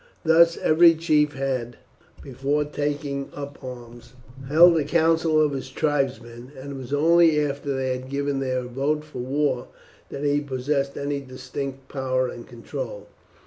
Thus every chief had, before taking up arms, held a council of his tribesmen, and it was only after they had given their vote for war that he possessed any distinct power and control.